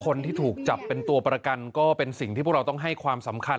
คนที่ถูกจับเป็นตัวประกันก็เป็นสิ่งที่พวกเราต้องให้ความสำคัญ